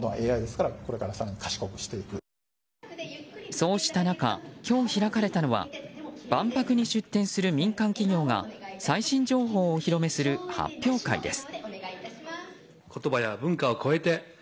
そうした中、今日開かれたのは万博に出展する民間企業が最新情報をお披露目する発表会です。